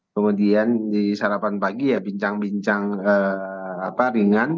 kemudian di sarapan pagi ya bincang bincang ringan